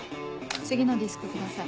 次のディスクください。